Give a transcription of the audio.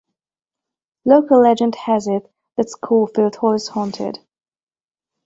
Local legend has it that Schoolfield Hall is haunted.